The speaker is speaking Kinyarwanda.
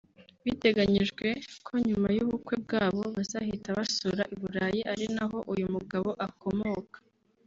Biteganyijwe ko nyuma y’ubukwe bwabo bazahita basubira i Burayi ari naho uyu mugabo akomoka